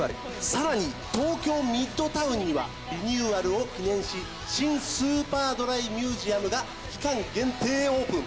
さらに東京ミッドタウンにはリニューアルを記念し、新スーパードライミュージアムが期間限定オープン。